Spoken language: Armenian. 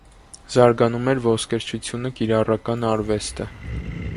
Զարգանում էր ոսկերչությունը, կիրառական արվեստը։